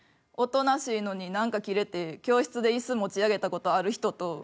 おとなしいのに何かキレて教室で椅子持ち上げた事ある人と。